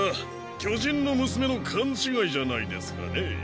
巨人の娘の勘違いじゃないですかね。